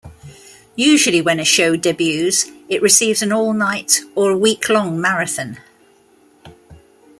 Usually when a show debuts, it receives an all-night or a week-long marathon.